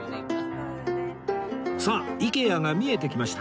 さあ ＩＫＥＡ が見えてきました